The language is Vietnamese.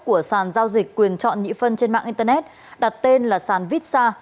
của sàn giao dịch quyền chọn nhị phân trên mạng internet đặt tên là sàn vitsa